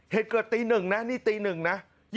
เหตุเกิดตีหนึ่งนะนี่ตีหนึ่งนะ